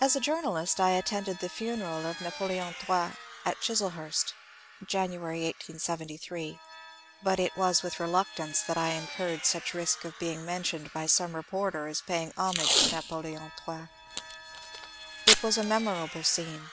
As a journalist I attended the funeral of Napoleon III at Chiselhurst (January, 1878), but it was with reluctance that I incurred such risk of being mentioned by some reporter as paying homage to Napoleon III. It was a memorable scene.